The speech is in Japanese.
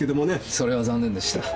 それは残念でした。